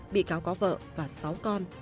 bị cáo có vợ và sáu con